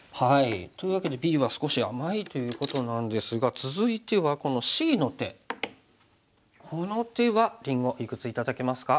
というわけでＢは少し甘いということなんですが続いてはこのＣの手この手はりんごいくつ頂けますか？